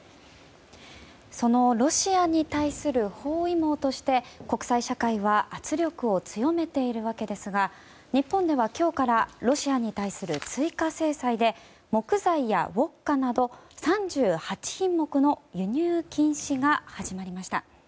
そのロシアに対する包囲網として国際社会は圧力を強めているわけですが日本では今日からロシアに対する追加制裁で木材やウォッカなど３８品目の輸入禁止が始まりました。